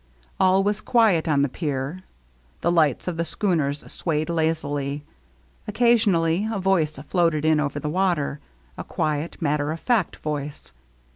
All was quiet on the pier. The lights of the schooners swayed lazily ; occa sionally a voice floated in over the water, a quiet, matter of fact voice.